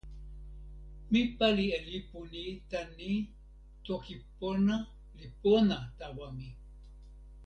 mi pali e lipu ni tan ni: toki pona li pona tawa mi.